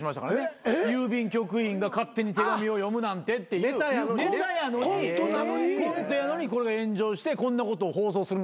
郵便局員が勝手に手紙を読むなんてっていうネタやのにコントやのにこれが炎上してこんなことを放送するのかと。